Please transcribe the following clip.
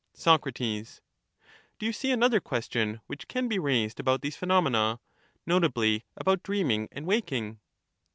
Sac, Do you see another question which can be raised about these phenomena, notably about dreaming and waking?